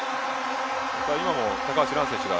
今も高橋藍選手が。